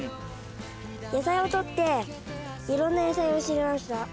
「野菜を採っていろんな野菜を知りました」